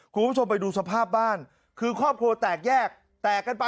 คุณผู้ชมไปดูสภาพบ้านคือครอบครัวแตกแยกแตกกันไป